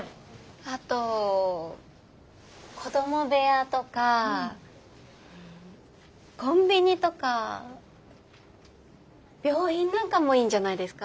あと子ども部屋とかコンビニとか病院なんかもいいんじゃないですか。